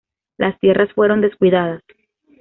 Las tierras fueron descuidadas.